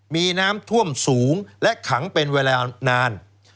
มีน้ำท่วมสูงและขังเป็นเวลานาน